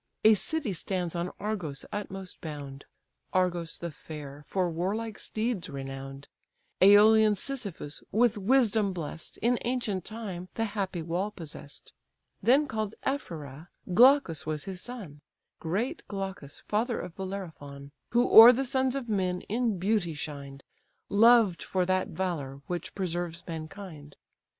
"A city stands on Argos' utmost bound, (Argos the fair, for warlike steeds renown'd,) Æolian Sisyphus, with wisdom bless'd, In ancient time the happy wall possess'd, Then call'd Ephyre: Glaucus was his son; Great Glaucus, father of Bellerophon, Who o'er the sons of men in beauty shined, Loved for that valour which preserves mankind.